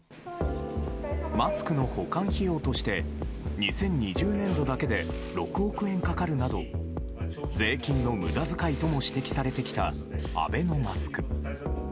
マスクの保管費用として２０２０年度だけで６億円かかるなど税金の無駄遣いとも指摘されてきたアベノマスク。